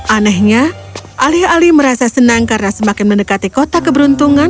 anehnya alih alih merasa senang karena semakin mendekati kota keberuntungan